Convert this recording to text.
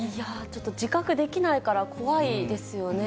ちょっと自覚できないから怖いですよね。